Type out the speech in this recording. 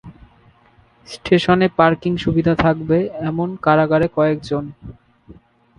স্টেশনে পার্কিং সুবিধা থাকবে এমন কারাগারে কয়েক জন।